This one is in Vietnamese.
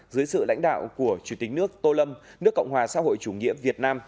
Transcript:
dưới sự lãnh đạo của chủ tịch nước tô lâm nước cộng hòa xã hội chủ nghĩa việt nam